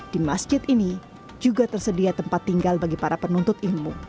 di masjid ini juga tersedia tempat tinggal bagi para penuntut ilmu